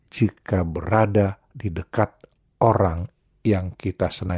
jika berada di dekat orang yang kita senang